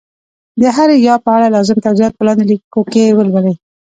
د هري ي په اړه لازم توضیحات په لاندي لیکو کي ولولئ